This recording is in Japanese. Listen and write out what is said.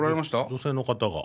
女性の方が。